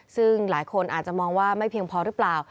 ซึ่งหลายคนอาจจะมองว่าไม่เพียงพอหรือเปล่า